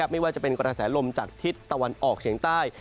ไม่ว่าจะเป็นกระแสลมจากทิศตะวันออกเฉียงใต้